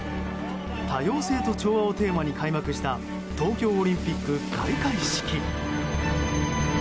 多様性と調和をテーマに開幕した東京オリンピック開会式。